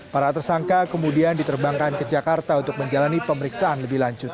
para tersangka kemudian diterbangkan ke jakarta untuk menjalani pemeriksaan lebih lanjut